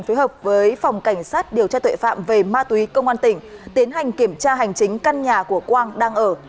phối hợp với phòng cảnh sát điều tra tuệ phạm về ma túy công an tỉnh tiến hành kiểm tra hành chính căn nhà của quang đang ở